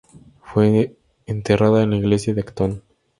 Fue enterrada en la iglesia de Acton.